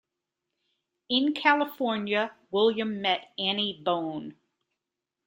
In California, William met Annie Bone.